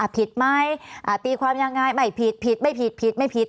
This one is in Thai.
ผิดไหมตีความยังไงไม่ผิดผิดไม่ผิดผิดไม่ผิด